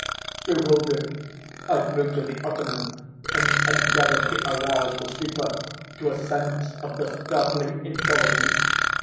Bewildered, I flew to the ottoman, and endeavored to arouse the sleeper to a sense of the startling intelligence.